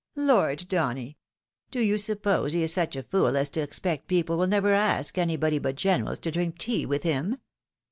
" Lord, Donny ! Do you suppose he is such a fool as to expect people will never ask anybody but generals to drink tea with him?"